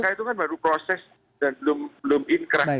karena tersangka itu kan baru proses dan belum inkrah